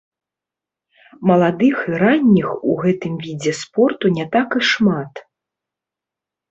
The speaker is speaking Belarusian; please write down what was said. Маладых і ранніх у гэтым відзе спорту не так і шмат.